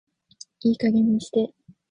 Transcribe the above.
いい加減にして